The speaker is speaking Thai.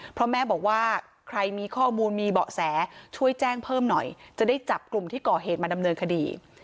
เพราะแม่บอกว่าใครมีข้อมูลมีเบาะแสช่วยแจ้งเพิ่มหน่อยจะได้จับกลุ่มที่ก่อเหตุมาดำเนินคดี